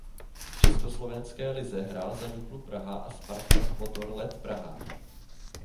V československé lize hrál za Duklu Praha a Spartak Motorlet Praha.